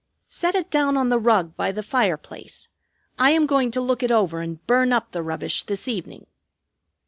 "Set it down on the rug by the fire place. I am going to look it over and burn up the rubbish this evening."